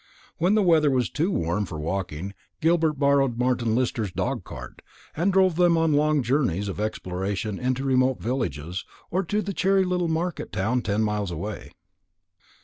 When the weather was too warm for walking, Gilbert borrowed Martin Lister's dog cart, and drove them on long journeys of exploration to remote villages, or to the cheery little market town ten miles away.